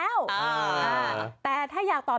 สวัสดีสวัสดี